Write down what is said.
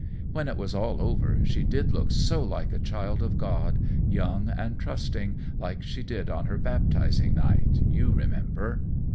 When it was all over, she did look so like a child of God, young and trusting, like she did on her baptizing night, you remember?"